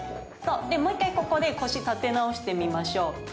もう１回、ここで腰を立て直してみましょう。